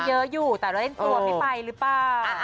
มันส่วนเยอะอยู่แต่เราได้ส่วนไม่ไปหรือเปล่า